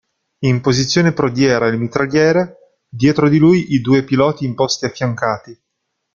In posizione prodiera il mitragliere, dietro di lui i due piloti in posti affiancati.